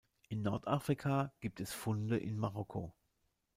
In Nordafrika gibt es Funde in Marokko.